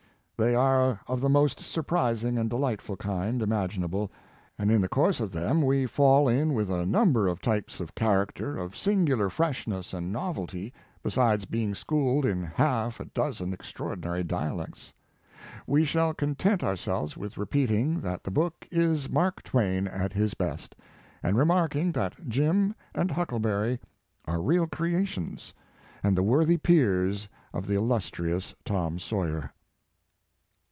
They are of the most surprising and de lightful kind imaginable, and in the course of them we fall in with a number of types His Life and Work. 145 of character of singular freshness and novelty, besides being schooled in half a dozen extraordinary dialects. ... We shall content ourselves with repeating that the book is Mark Twain at his best, and remarking that Jim and Huckleberry are real creations, and the worthy peers of the illustrious Torn Sawyer."